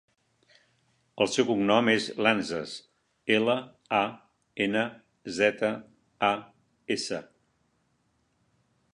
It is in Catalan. El seu cognom és Lanzas: ela, a, ena, zeta, a, essa.